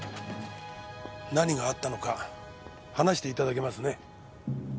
何があったのか話していただけますね？